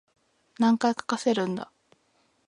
何回かかせるんだ